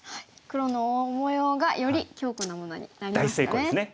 黒の大模様がより強固なものになりましたね。